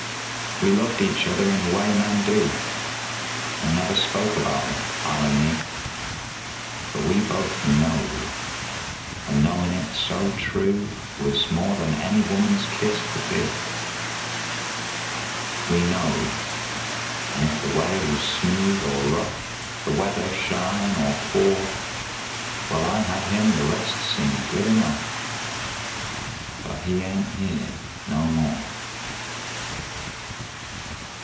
We loved each other in the way men do And never spoke about it, Al and me, But we both knowed, and knowin' it so true Was more than any woman's kiss could be. We knowed and if the way was smooth or rough, The weather shine or pour, While I had him the rest seemed good enough But he ain't here no more!